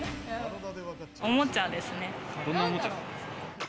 おもちゃですね。